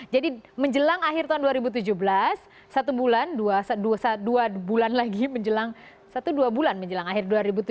jadi menjelang akhir tahun dua ribu tujuh belas satu bulan dua bulan lagi menjelang satu dua bulan menjelang akhir dua ribu tujuh belas